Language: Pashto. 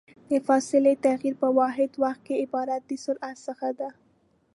د فاصلې تغير په واحد وخت کې عبارت د سرعت څخه ده.